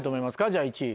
じゃあ１位。